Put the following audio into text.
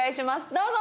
どうぞ！